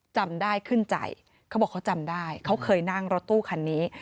จำได้ขึ้นใจเขาบอกเขาจำได้เขาเคยนั่งรถตู้คันนี้